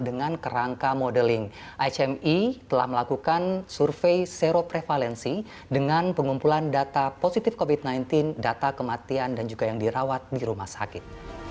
dengan kerangka modeling icme telah melakukan survei seroprevalensi dengan pengumpulan data positif covid sembilan belas data kematian dan juga yang dirawat di rumah sakit